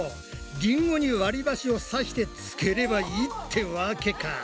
りんごに割りばしを刺してつければいいってわけか！